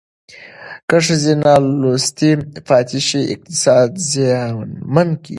که ښځې نالوستې پاتې شي اقتصاد زیانمن کېږي.